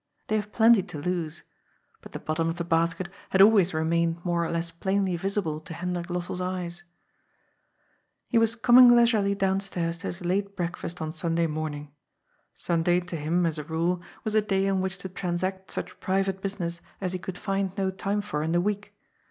They have plenty to lose. But the bottom of the basket had always remained more or less plainly visible to Hendrik Lossell's eyes. He was coming leisurely downstairs to his late breakfast on Sunday morning. Sunday to him, as a rule, was a day on which to transact such private business as he could find MUSIC AND DISCORD, 197 no time for in the week.